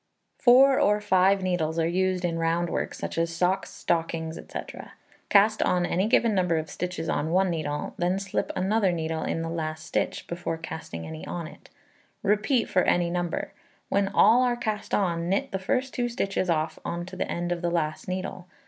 Four or five needles are used in round work, such as socks, stockings, &c. Cast on any given number of stitches on one needle, then slip another needle in the last stitch, before casting any on it; repeat for any number. When all are cast on, knit the first 2 stitches off on to the end of the last needle.